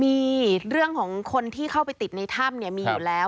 มีเรื่องของคนที่เข้าไปติดในถ้ำเนี่ยมีอยู่แล้ว